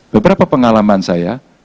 beberapa pengalaman saya